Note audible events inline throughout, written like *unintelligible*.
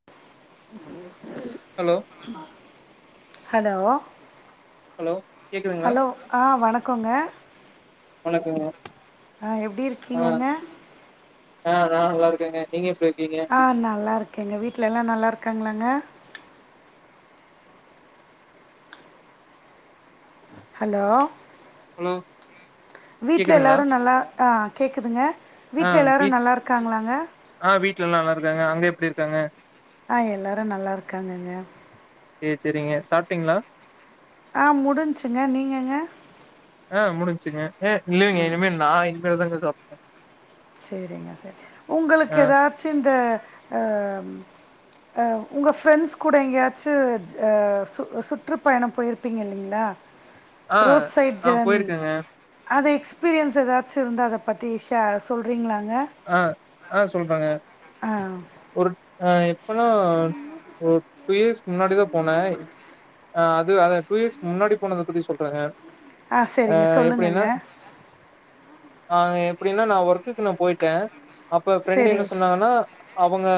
*unintelligible* Hello hello hello கேக்குதுங்களா? Hello ஆ வணக்கோங்க வணக்கங்க ஆ எப்டி ஆ இருக்கீங்கங்க ஆ நா நல்லா இருக்கங்க நீங்க எப்டி இருக்கீங்க ஆ நல்லா இருக்கேங்க வீட்டுல எல்லா நல்லா இருக்காங்களாங்க ஹலோ ஹலோ வீட்ல கேக்குதுங்களா? எல்லாரு நல்லா ஆ கேக்குதுங்க ஆ வீட்ல எல்லாரு வீட் நல்லா இருக்காங்களாங்க ஆ வீட்ல எல்லா நல்லா இருக்காங்க அங்க எப்டி இருக்காங்க ஆ எல்லாரு நல்லா இருக்காங்கங்க ஏ செரிங்க சாப்ட்டீங்களா ஆ முடிஞச்சுங்க நீங்கங்க ஆ முடிஞச்சுங்க ஏ இல்லலைங்க இனிமேல் நா இனிமேல்தாங்க சாப்னு செரிங்க செரி உங்களுக்கு ஆ ஏதாச்சு இந்த ஆ அ உங்க ஃப்ரெண்ட்ஸ் கூட எங்கேயாச்சு அ சு சுற்றுப்பயணம் போயிருப்பீங்க இல்லைங்களா *inaudible* ரோட் சைட் ஆ ஜர்னி போயிருக்கேங்க. அது எக்ஸ்பீரியன்ஸ் ஏதாச்சு இருந்த அத பத்தி ஷா சொல்றீங்களாங்க ஆ ஆ சொல்றேங்க ஒரு அ எப்பனா ஒரு டூ யர்ஸ் முன்னாடிதா போனே ஆ அது அந்த டூ யர்ஸ் முன்னாடி போனத பத்தி சொல்றேங்க ஆ அ சரிங்க எப்டின்னா சொல்லுங்கங்க ஆ எப்டின்னா நா ஒர்க்குக்கு நா போயிட்டே அப்ப ஃப்ரெண்ட் என்ன சரிங்க சொன்னாங்கன்னா அவங்க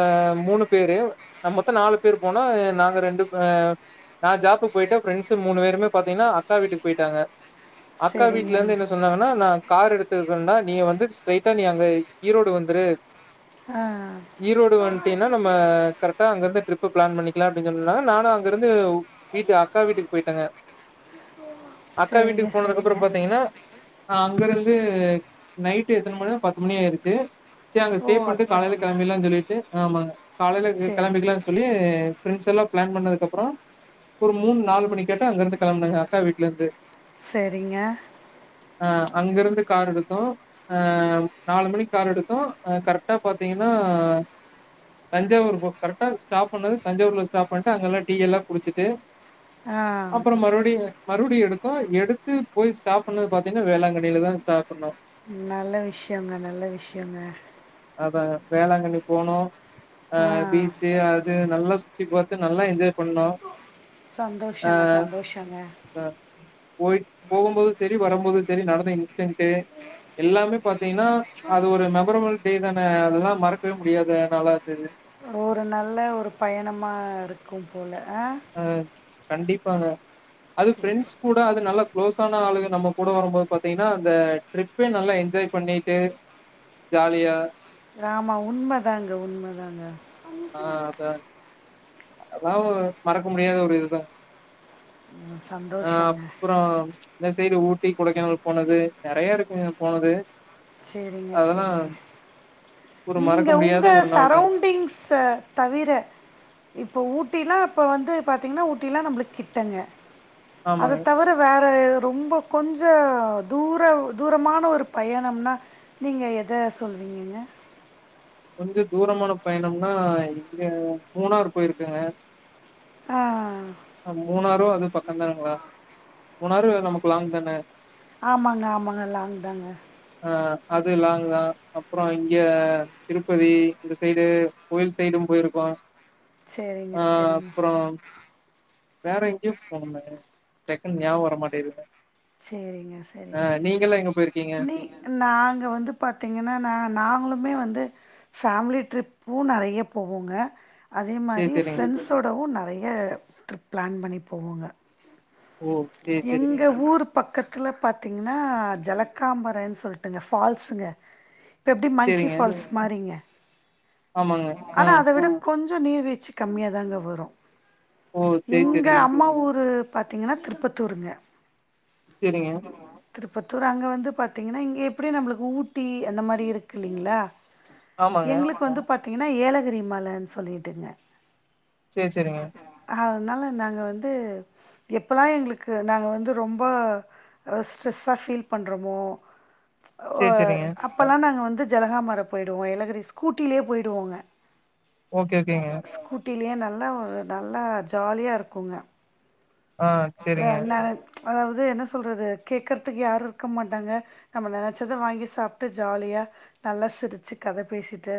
மூணு பேரு நம்ம மொத்த நாலு பேரு போனோ நாங்க ரெண்டு அ நா ஜாப்புக்கு போயிட்ட ஃப்ரெண்ட்ஸ்ஸு மூணு பேருமே பாத்தீங்கன்னா அக்கா வீட்டுக்கு போயிட்டாங்க அக்கா சரிங்க வீட்ல இருந்து என்ன சொன்னாங்கன்னா நா கார் எடுத்ததுக்கண்டா நீங்க வந்து ஸ்ட்ரைட்டா நீ அங்க இ ஈரோடு வந்துரு ஆ ஈரோடு வந்ட்டீன்னா நம்ம கரெக்டா அங்கிருந்து ட்ரிப்பு பிளான் பண்ணிக்குலா அப்டினு சொன்னா நானு அங்கிருந்து வீட்டு அக்கா வீட்டுக்கு போயிட்டேங்க அக்கா சரிங்க வீட்டுக்கு போனதுக்கு அப்புறோ சரிங்க பாத்தீங்கன்னா ஆ அங்க இருந்து நைட்டு எத்தன மணினா பத்து மணி ஆய்றுச்சு சே அங்க ஓ ஸ்டே பண்ட்டு காலையில அப்படிங்களா கெளம்பிக்லானு சொல்லிட்டு ஆமாங்க காலையில சரிங்க கெளம்பிக்கலாச் சொல்லி ஃப்ரெண்ட்ஸ்ல்லா பிளான் பண்ணதுக்கப்றோ ஒரு மூணு நாலு மணி கேட்ட அங்கிருந்து கெளம்புனங்க அக்கா வீட்லருந்து செரிங்க ஆ அங்கிருந்து காரு எடுத்தோ அ நாலு மணிக் கார் எடுத்தோ அ கரெட்டா பாத்தீங்ன்னா தஞ்சாவூர் பக் கரெட்டா ஸ்டாப் பண்ணது தஞ்சாவூர்ல ஸ்டாப் பண்ணிட்டு அங்கெல்லா டீ எல்லா குடிச்சிட்டு ஆ அப்றோ மறுபடியு மறுபடி எடுத்தோ எடுத்து போய் ஸ்டாப் பண்ணது பாத்தீங்ன்னா வேளாங்கண்ணியில தா ஸ்டாப் பண்ணோ நல்ல விஷயங்க நல்ல விஷயங்க அத வேளாங்கண்ணி போனோ அ ஆ பீச்சு அ துனல்லா சுத்தி பாத்து நல்லா என்ஜாய் பண்ணோ சந்தோஷங்க சந்தோஷங்க கோயில்க் போகும்போது செரி வரம்போது செரி நடந்த இன்சிடென்ட்டு எல்லாமே பாத்தீங்கன்னா அது ஒரு மெமரபிள் பீல்தான அதெல்லா மறக்கவே முடியாது என்னால அது ஒரு நல்ல ஒரு பயணமா இருக்கு போல அ அ கண்டிப்பாங்க அது சரி ஃப்ரண்ட்ஸ் கூ ட அது நல்லா க்ளோஸ் ஆன ஆளுங்க நம்ம கூட வரம்போது பாத்தீங்ன்னா அந்த ட்ரிப்பே நல்லா என்ஜாய் பண்ணீட்டு ஜாலியா ஆமா உண்ம தாங்க உண்ம தாங்க ஆ அதா அதாவுது மறக்க முடியாத ஒரு இதுதா ம், அ சந்தோஷங்க அப்றோ இந்த சைடு ஊட்டி கொடைக்கானல் போனது நெறைய இருக்குங்க போனது சேரிங்க அதெல்லா சேரிங்க ஒரு மறக்க நீங்க உங்க முடியாத ஒரு நாள் தாங்க சரௌண்டிங்ஸ்ச தவிர இப்போ ஊட்டிலா இப்போ வந்து பாத்தீங்ன்னா ஊட்டிலா நம்மளுக் கிட்டங்க ஆமாங்க அத தவிர வேற ரொம்போ கொஞ்ச தூர தூரமான ஒரு பயணம்னா நீங்க எத சொல்வீங்கங்க கொஞ்ச தூரமான பயணம்னா இங்க மூணார் போயிருக்கங்க ஆ அ மூணாரு அது பக்கந்தானுங்ளா மூணாரு நமக்கு லாங்தான ஆமாங்க ஆமாங்க லாங் தாங்க ஆ அது லாங்தா அப்றோ இங்க திருப்பதி இந்த சைடு கோவில் சைடு போயிருக்கோ சரிங்க ஆ சரிங்க அப்றோ வேற எங்கயோ போனோமே டக்குன் ஞாபகோ வர மாட்டேங்குங்க சரிங்க அ நீங்கெல்லா எங்க போயிருக்கீங்க நாங்க வந்து பாத்தீங்கன்னா நா நாங்களுமே வந்து ஃபேமிலி ட்ரிப்பு நெறைய போவோங்க அதே சரி, மாரி சரிங்க. ஃப்ரெண்ட்ஸோடவு நெறய ட்ரிப் பிளான் பண்ணி போவோங்க ஓ! சரி, சரிங்க. எங்க ஊர் பக்கத்துல பாத்தீங்கன்னா ஜலக்காம்பறன் சொல்ட்டுங்க ஃபால்ஸுங்க இப்ப எப்டி மங்கி சரிங்க. ஃபால்ஸ் மாரிங்க ஆமாங்க. ஆ. ஆனா அத விட கொஞ்சோ நீர்வீ்ழ்ச்சி கம்மியாதாங்க வரு ஓ! சரி, எங்க சரிங்க. அம்மா ஊரு பாத்தீங்கன்னா திருப்பத்தூருங்க சேரிங்க திருப்பத்தூர் அங்க வந்து பாத்தீங்கன்னா இங்க எப்டி நம்பளுக்கு ஊட்டி அந்த மாரி இருக்கு இல்லீங்களா ஆமாங்க. எங்களுக்கு வந்து பாத்தீங்கன்னா ஏலகிரி மலன்னு சொல்லிட்டுங்க சரி, சரிங்க. அதனால நாங்க வந்து எப்பலா எங்களுக்கு க்கு நாங்க வந்து ரொம்ப ரெஸ்ட் ஸ்ட்ரெஸ்ஸா ஃபீல் பண்றோமோ ஓ சரி, சரிங்க. அப்பல்லா நாங்க வந்து ஜலகாம்பர போயிடுவோ ஏலகிரி ஸ்கூட்டிலயே போயிடுவோங்க ஓகே, ஓகேங்க. ஸ்கூட்டிலயே நல்லா ஒரு நல்லா ஜாலியா இருக்குங்க ஆ அதா சரிங்க. என்னன்னா அதாவது என்ன சொல்றது கேக்கறதுக்கு யாரும் இருக்க மாட்டாங்க நம்ம நெனைச்சத வாங்கி சாப்ட்டு ஜாலியா நல்லா சிரிச்சு கத பேசிட்டு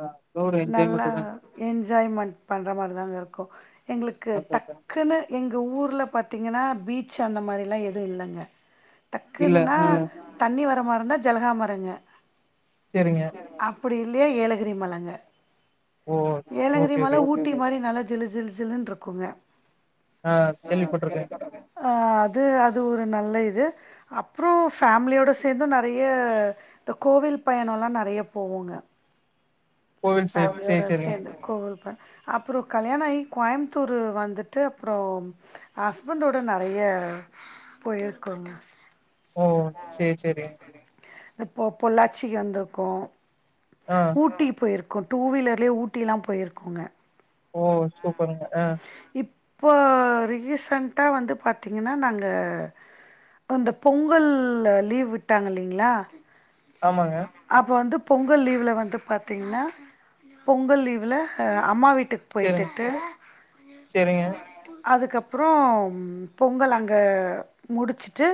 ஆ ஏதோ ஒரு நல்லா என்ஜாய்மென்ட் தாங்க. என்ஜாய்மெண்ட் பண்ற மாரிதாங்க இருக்கு எங்களுக்கு அதான், அதான். டக்குன்னு எங்க ஊர்ல பாத்தீங்கன்னா பீச் அந்த மாரில்லா எதும் இல்லங்க இல்ல. டக்குன்னுன்னா ஆ தண்ணி வர மாரி இருந்தா ஜலகாமரங்க சேரிங்க அப்டி இல்லையா ஏலகிரி மலங்க ஓ! ஏலகிரி ஓகே, மல ஓகேங்க. ஊட்டி மாரி நல்ல ஜிலு ஜிலு ஜிலுனு இருக்குங்க ஆ கேள்விப்பட்ருக்க ஆ அது அது ஒரு நல்ல இது அப்புற ஃபேமிலியோட சேந்து நெறைய இந்த கோவில் பயணல்லா நெறைய போவோங்க கோவில் சைடு ஃபேமிலியோட சரி, சரிங்க. சேந்து கோவில் ப அப்புற கல்யாண ஆயி கோயமுத்தூரு வந்துட் டு அப்புற ஹஸ்பண்டோடு நெறைய போயிருக்கோங்க ஓ சேரி சேரிங்க இப்ப பொள்ளாச்சிக்கு வந்துருக்கோ ஆ ஊட்டி போயிருக்கோ டூ வீலர்லயே ஊட்டிலா போயிருக்கோங்க ஓ சூப்பருங்க ஆ இப்போ ரீசன்ட்டா வந்து பாத்தீங்கன்னா நாங்க அந்த பொங்கல் லீவ் விட்டாங்க இல்லிங்களா ஆமாங்க அப்போ வந்து பொங்கல் லீவ்ல வந்து பாத்தீங்கன்னா பொங்கல் லீவ்ல ஆ அம்மா வீட்டுக் சேரிங் போய்ட்டுட்டு சேரிங்க அதுக்கப்புறோ பொங்கல் அங்க முடிச்சுட்டு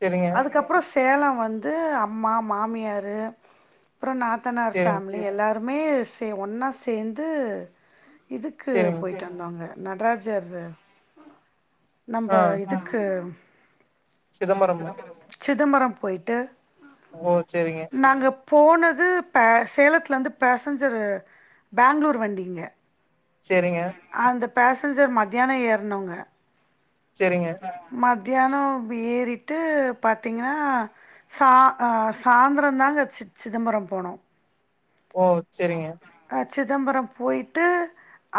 சேரிங்க அதுக்கப்புற சேலம் வந்து அம்மா மாமியாரு அப்புற நாத்தனார் சேரிங் ஃபேமிலி எல்லாருமே சே ஒன்னா சேந்து இதுக்கு சேரிங்க போயிட்டு வந்தாங்க நட்ராஜர் நம்ப ஆ இதுக் கு சிதம்பரமா சிதம்பரம் போயிட்டு ஓ சேரிங்க நாங்க போனது பேச சேலத்துலேருந்து பேசஞ்சர் பேங்களூர் வண்டிங்க சேரிங்க அந்த பேசஞ்சர் மத்தியான ஏறுனோங்க சேரிங்க மத்தியான ஏறிட்டு பாத்தீங்கன்னா சா அ சாந்ரந்தாங்க சி சிதம்பரம் போனோ ஓ சரிங்க சிதம்பரம் போயி்ட்டு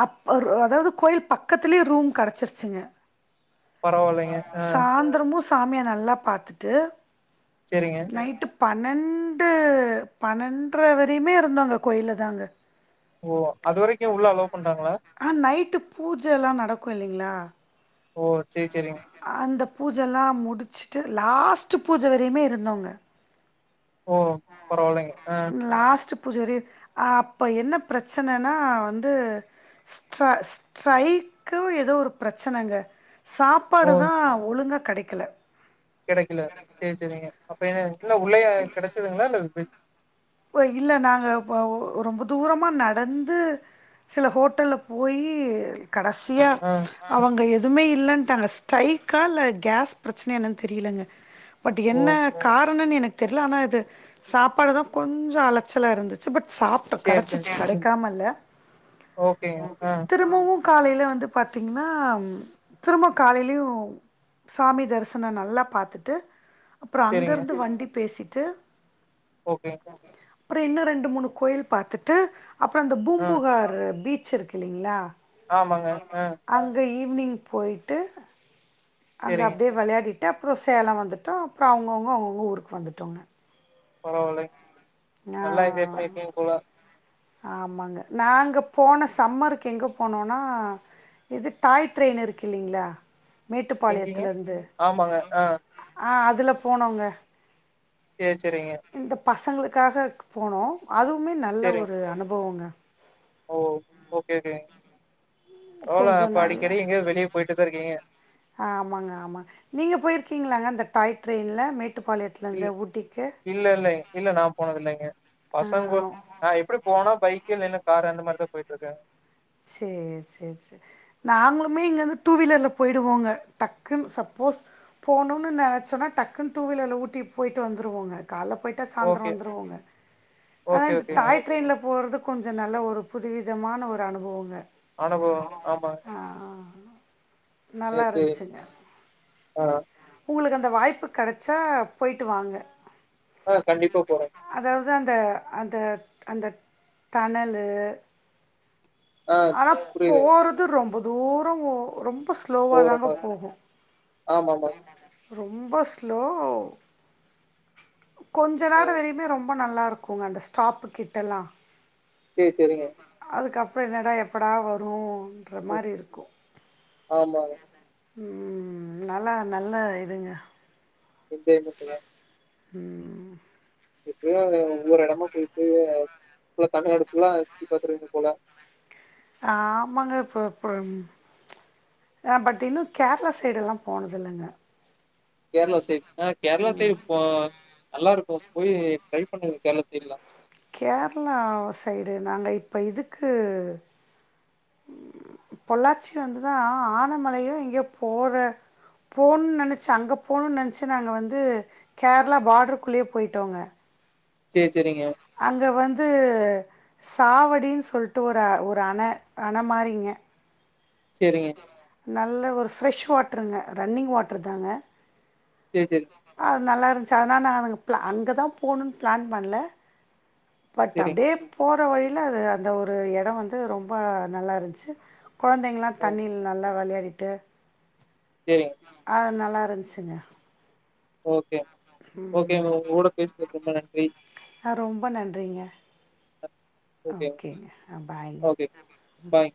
அப் ரு அதாவ்து கோயில் பக்கத்துலயே ரூம் கெடச்சிருச்சுங்க. பரவால்லைங்க அ திரும்மு சாமிய நல்லா பாத்துட்டு செரிங்க நைட்டு பன்னெண்டு, பன்னெண்டர வரையுமே இருந்தோங்க கோயில்ல தாங்க ஓ அது வரைக்கு உள்ள அலோ பண்றாங்ளா. ஆ நைட்டு பூஜெலா நடக்கு இல்லைங்ளா ஓ செரி செரிங் அந்த பூஜல்லா முடிச்சுட்டு லாஸ்ட்டு பூஜ வரையுமே இருந்தோங்க. ஓ பரவால்லைங்க ஆ லாஸ்ட்டு பூஜ வரயு அப்ப என்ன பிரச்சனைன்னா வந்து ஸ்ட்ர ஸ்ட்ரைக்கு ஏதோ ஒரு பிரச்சனைங்க ஓ சாப்பாடு தா ஒழுங்கா கெடைக்கல கெடைக்கல சேர் செரிங்க அப்ப என இல்ல உள்ளையா கெடச்சதுங்ளா இல்ல ப இல்ல நாங்க இப்ப ரொம்ப தூரமா நடந்து சில ஹோட்டல்ல போயி கடசியா ஆ அவங்க எதுவுமே இல்லன்டாங்க ஸ்டைக்கா இல்ல கேஸ் பிரச்சனைய என்னன் தெரியலங்க பட் ஓ என்ன காரணனு எனக் தெர்ல ஆனா இது சாப்பாடு தா கொஞ்சோ அலச்சலா இருந்துச்சு பட் சாப்டோ சேரி சேரி கடச்சிச்சு கடைக்காம இல்ல ஓகேங்க ஆ திரும்பவு காலைல வந்து பாத்தீங்கன்னா ம் திரும்ப காலைலயு சாமி தரிசனோ நல்லா பாத்துட்டு அப்றோ சேரிங்க அங்கிருந்து வண்டி பேசிட்டு ஓகே அப்றோ இன்னு ரெண்டு மூணு கோயில் பாத்துட்டு அப்றோ அந்த ஆ பாரு பீச் இருக்கு இல்லைங்ளா ஆமாங்க ஆ அங்க ஈவி்னிங் போயிட்டு அங்க சேரிங்க அப்டியே வெளையாடிட்டு அப்றோ சேல வந்துட்டோ அப்றோ அவங்கவுங்க அவங்கவுங்க ஊருக்கு வந்துட்டோங்க பரவாலைங் நல்லா என்ஜாய் ஆ- பண்ணிருப்பீங்க போல ஆமாங்க நாங்க போன சம்மருக்கு எங்க போனோனா இது டாய் ட்ரெயின் இருக்கு இல்லலைங்ளா எங்கீங்க? மேட்டுப்பாளையத்தல இருந்து. ஆமாங்க. ஆ ஆ அதுல போனோங்க சேர் செரிங்க இந்த பசங்களுக்காக போனோ அதுவுமே நல்ல சேரிங்க. ஒரு அனுபவங்க ஓ ஓகே ஓகே ரவல கொஞ்சம் அப்ப நல்லா அடிக்கடி எங்கயாது வெளிய போயிட்டுதா இருக்கீங்க ஆமாங்க ஆமாங்க நீங்க போயிருக்கீங்ளாங்க இந்த டாய் ட்ரெயின்ல மேட்டுப்பாளையத் இல் இல்ல இல்ல இல்ல நா போனது இல்லைங்க ஆ பசங்கோ நா எப்டி போனா பைக்கு இல்லனா காரு அந்த மாரிதா போயிட்ருக்கே சேர் சேர் சேர் நாங்களுமே இங்கேந்து டூ வீலர்ல போயிடுவோங்க டக்குனு சப்போஸ் போணுன்னு நெனச்சோன்னா டக்குன் டூ வீலர்ல ஊட்டி போய்ட்டு வந்துருவோங்க கால்ல போய்ட்டா சாந்தரோ ஓகே, வந்துருவோங்க அதா ஓகே, இந்த ஓகேங்க. டாய் ட்ரெயின்ல போறது கொஞ்சோ நல்ல ஒரு புதுவிதமான ஒரு அனுபவங்க அனுபவோ ஆமா நல்லா சேர் செரி இருந்துச்சுங்க ஆ உங்களுக்கு அந்த வாய்ப்பு கெடச்சா போய்ட்டு வாங்க ஆ கண்டிப்பா போற அதாவது அந்த அந்த அந்த தணலு ஆ ஆனா புரியுதுங்க. போறது ரொம்ப தூரோ ரொம்ப ஸ்லோவா போற தாங்க மாரி போகு ஆமாமாங்க. ரொம்ப ஸ்லோ கொஞ்ச ஆ நேரோ வரையுமே ரொம்ப நல்லாருக்குங்க அந்த ஸ்டாப்பு கிட்டல்லா சரி, சரிங்க. அதுக்கப்பறோ என்னடா எப்படா வருன்ற ம். மாரி இருக்கு ஆமாங்க ம் நல்லா நல்ல இதுங்க விஜய் மட்டு்தா ம் எப்டியோ ஒவ்வொரு எடமா போய்ட்டு புல்லா தமிழ்நாடு ஃபுல்லா சுத்தி பாத்தருது போல ஆமாங்க இப்ப அப்ப ஆ பட் இன்னு கேரளா சைடெல்லா போனதில்லங்க கேரளா சைடு ஆ கேரளா சைடு இப்ப நல்லாருக்கு போய் ட்ரை பண்ணுங்க கேரளா சைட்லலா கேரளா சைடு நாங்க இப்ப இதுக்கு பொள்ளாச்சி வந்துதா ஆனமலையோ எங்கயோ போற போனுன் நெனச்சி அங்க போனுன் நெனச்சி நாங்க வந்து கேரளா பாடருக்குள்ளேயே போய்ட்டோங்க சேரி சேரிங்க அங்க வந்து சாவடினு சொல்ட்டு ஒரு ஒரு அண அண மாறிங்க செரிங்க நல்ல ஒரு ஃப்ரெஷ் வாட்டருங்க ரன்னிங் வாட்டரு தாங்க செரி செரி அது நல்லா இருந்துச்சி அதனால நாங்க அங்க ப்ள அங்க தா போணுன் பிளான் பண்ல பட் சரிங்க. அப்டியே போற வழியில அது அந்த ஒரு எடோ வந்து ரொம்ப நல்லா இருந்ச்சு கொழந்தைங்கள்லா ம். தண்ணியில் நல்லா விளையாடிட்டு செரிங்க அ நல்லா இருந்துச்ங்க ஓகே ஓகே மேடோ உங்களோட பேசுறது ரொம்ப நன்றி அ ரொம்ப நன்றிங்க ஓகேங்க அ பாய்ங்க ஓகே. பாய்